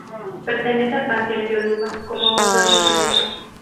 Pertenece al panteón yoruba, como un Orisha Menor.